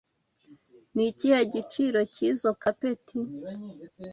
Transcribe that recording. Ni ikihe giciro cyizoi capeti?